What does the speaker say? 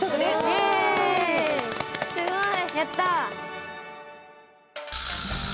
えすごい！